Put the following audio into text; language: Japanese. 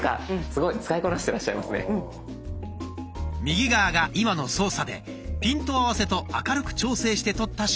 右側が今の操作でピント合わせと明るく調整して撮った写真。